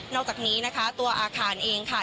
อกจากนี้นะคะตัวอาคารเองค่ะ